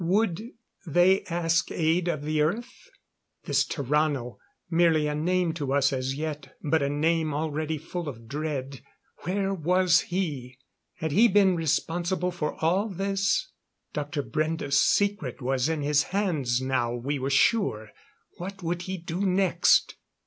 Would they ask aid of the Earth? This Tarrano merely a name to us as yet, but a name already full of dread. Where was he? Had he been responsible for all this? Dr. Brende's secret was in his hands now, we were sure. What would he do next?